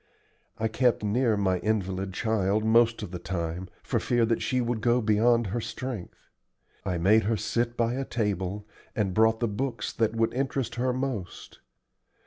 I kept near my invalid child most of the time, for fear that she would go beyond her strength. I made her sit by a table, and brought the books that would interest her most.